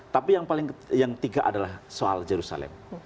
tapi yang tiga adalah soal jerusalem